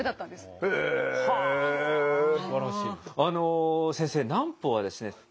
あの先生南畝はですね